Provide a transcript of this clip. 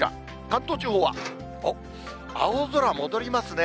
関東地方は、おっ、青空戻りますね。